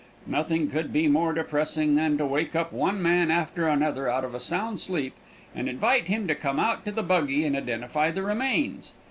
Nothing could be more depressing than to wake up one man after another out of a sound sleep, and invite him to come out to the buggy and identify the remains.